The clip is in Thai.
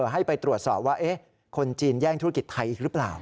ให้ไปตรวจสอบว่าคนจีนแย่งธุรกิจไทยอีกหรือเปล่า